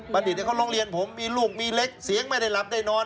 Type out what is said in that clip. ดิษฐ์เขาร้องเรียนผมมีลูกมีเล็กเสียงไม่ได้หลับได้นอน